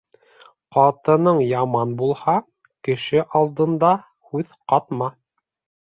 Ҡатының яман булһа, кеше алдында һүҙ ҡатма.